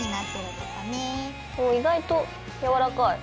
お意外とやわらかい。